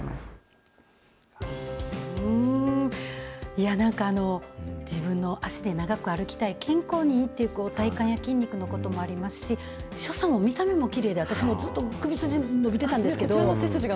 いや、なんか自分の足で長く歩きたい、健康にって、体幹や筋肉のこともありますし、所作も見た目もきれいで、私もずっと首筋伸びてたんですけど。